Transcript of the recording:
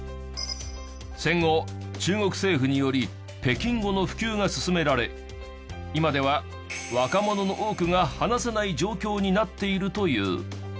戦後中国政府により北京語の普及が進められ今では若者の多くが話せない状況になっているという。